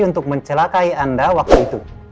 untuk mencelakai anda waktu itu